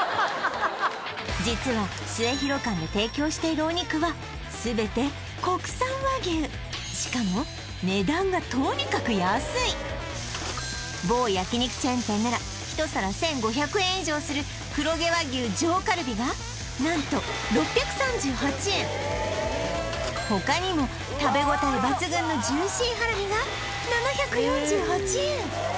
実はスエヒロ館で提供しているお肉はしかも某焼肉チェーン店なら１皿１５００円以上する黒毛和牛上カルビがなんと６３８円ほかにも食べごたえ抜群のジューシーハラミが７４８円